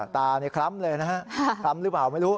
ตาในคล้ำเลยนะฮะคล้ำหรือเปล่าไม่รู้